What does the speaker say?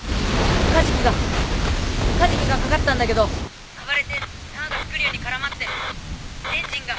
カジキがカジキがかかったんだけど暴れて縄がスクリューに絡まってエンジンが。